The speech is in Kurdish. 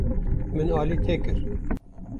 Min alî te kir.